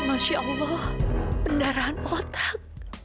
masya allah pendarahan otak